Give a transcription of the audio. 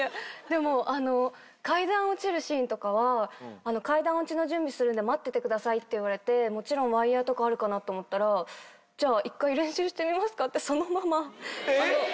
でも階段落ちるシーンとかは「階段落ちの準備するんで待っててください」って言われてもちろんワイヤとかあるかなと思ったら「じゃあ一回練習してみますか？」ってそのまま。えっ？